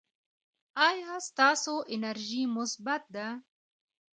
ایا ستاسو انرژي مثبت ده؟